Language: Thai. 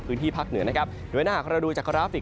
พื้นที่ภาคเหนือนะครับโดยถ้าหากเราดูจากกราฟิก